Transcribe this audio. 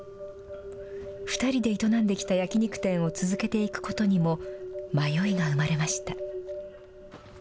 ２人で営んできた焼き肉店を続けていくことにも、迷いが生まれました。